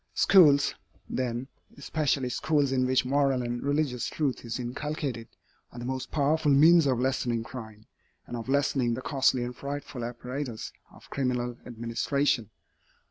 Schools, then, especially schools in which moral and religious truth is inculcated, are the most powerful means of lessening crime, and of lessening the costly and frightful apparatus of criminal administration.